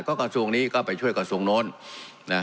ก็กระทรวงนี้ก็ไปช่วยกระทรวงโน้นนะ